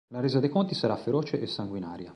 La resa dei conti sarà feroce e sanguinaria.